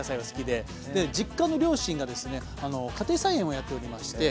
で実家の両親がですね家庭菜園をやっておりまして。